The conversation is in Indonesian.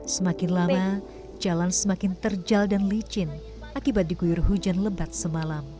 semakin lama jalan semakin terjal dan licin akibat diguyur hujan lebat semalam